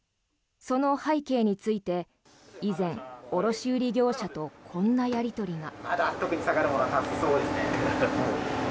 その背景について以前、卸売業者とこんなやり取りが。